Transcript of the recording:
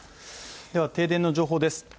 では停電の情報です。